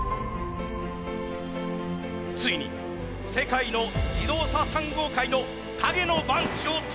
ついに世界の自動車産業界の陰の番長登場。